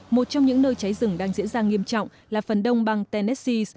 một trong những nơi cháy rừng đang diễn ra nghiêm trọng là phần đông bang tennessi